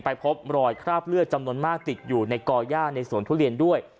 พบรอยคราบเลือดจำนวนมากติดอยู่ในก่อย่าในสวนทุเรียนด้วย